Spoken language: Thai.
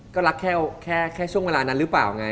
ก็รักแค่ช่วงเวลานั้นหรือเปล่าไง